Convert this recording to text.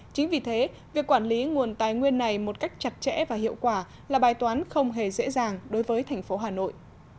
chính vì thế việc quản lý nguồn tài nguyên này một cách chặt chẽ và hiệu quả là bài toán không hề dễ dàng đối với thành phố hà nội